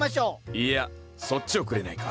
いやそっちをくれないか。